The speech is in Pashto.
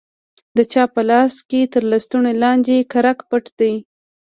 د چا په لاس کښې تر لستوڼي لاندې کرک پټ دى.